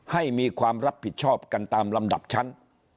มีความรับผิดชอบกันตามลำดับชั้น